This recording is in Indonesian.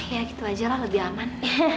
ya gitu aja lah lebih aman